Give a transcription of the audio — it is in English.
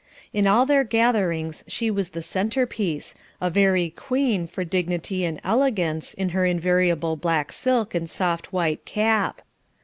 In all their gatherings she was the centerpiece, a very queen for dignity and elegance, in her invariable black silk, and soft white cap.